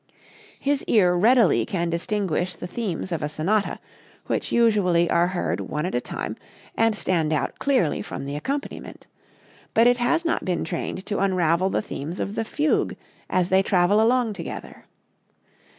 His ear readily can distinguish the themes of a sonata, which usually are heard one at a time and stand out clearly from the accompaniment, but it has not been trained to unravel the themes of the fugue as they travel along together.